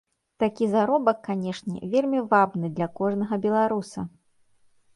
Такі заробак, канешне, вельмі вабны для кожнага беларуса.